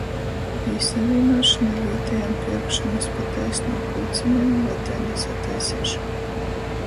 Pīsavīnuošona vītejam pierkšonys pa taisnū puļceņam voi taida sataiseišona.